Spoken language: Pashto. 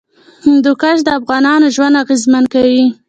هندوکش د افغانانو ژوند اغېزمن کوي.